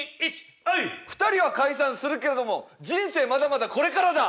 「２人は解散するけれども人生まだまだこれからだ」